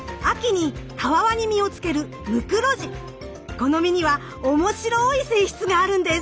この実には面白い性質があるんです！